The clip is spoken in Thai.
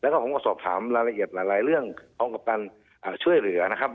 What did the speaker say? ก็สอบถามละละเอียดเรื่องกับช่วยเหลือนะครับ